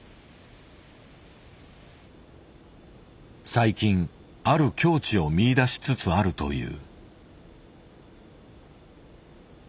最近ある境地を見いだしつつあるという。